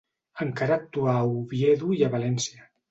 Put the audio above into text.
Encara actuà a Oviedo i a València.